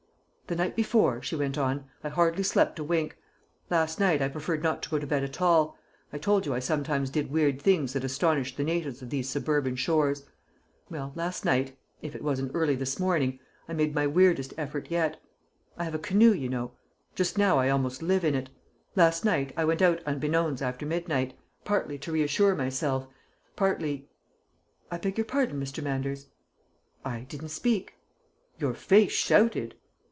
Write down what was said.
"The night before," she went on, "I hardly slept a wink; last night I preferred not to go to bed at all. I told you I sometimes did weird things that astonished the natives of these suburban shores. Well, last night, if it wasn't early this morning, I made my weirdest effort yet. I have a canoe, you know; just now I almost live in it. Last night I went out unbeknowns after midnight, partly to reassure myself, partly I beg your pardon, Mr. Manders?" "I didn't speak." "Your face shouted!"